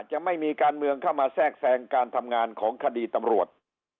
จะไม่มีการเมืองเข้ามาแทรกแทรงการทำงานของคดีตำรวจ